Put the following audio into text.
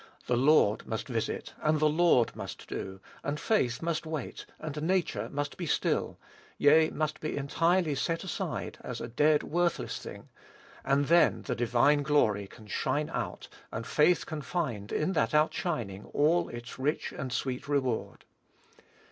The Lord must "visit," and the Lord must "do," and faith must wait, and nature must be still; yea, must be entirely set aside as a dead, worthless thing, and then the divine glory can shine out, and faith find in that outshining all its rich and sweet reward.